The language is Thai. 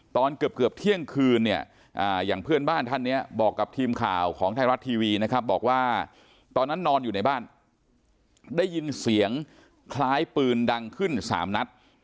ตอนเกือบเที่ยงคืนเนี่ยอย่างเพื่อนบ้านท่านเนี่ยบอกกับทีมข่าวของไทยรัฐทีวีนะครับบอกว่าตอนนั้นนอนอยู่ในบ้านได้ยินเสียงคล้ายปืนดังขึ้น๓นัด